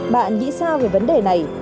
bạn nghĩ sao về vấn đề này